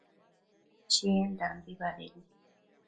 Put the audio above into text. Chiendambi badedi